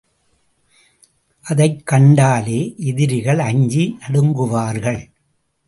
அதைக் கண்டாலே எதிரிகள் அஞ்சி நடுங்குவார்கள.